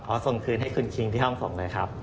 ขอส่งคืนให้คุณคิงด้วยบ้างครับ